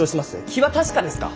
気は確かですか？